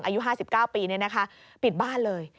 อายุ๕๙ปีนี้นะคะปิดบ้านเลย